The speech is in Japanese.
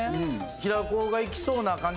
平子が行きそうな感じ